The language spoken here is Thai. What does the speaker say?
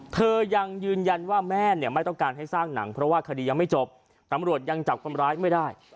เธอยังยืนยันว่าแม่เนี่ยไม่ต้องการให้สร้างหนังเพราะว่าคดียังไม่จบตำรวจยังจับคนร้ายไม่ได้